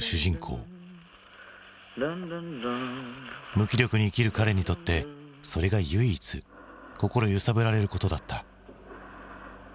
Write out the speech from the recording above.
無気力に生きる彼にとってそれが唯一心揺さぶられることだった。